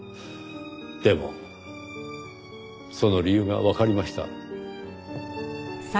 でもその理由がわかりました。